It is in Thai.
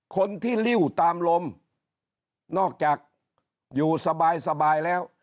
คนที่ริ้วตามลมนอกจากอยู่สบายสบายแล้ว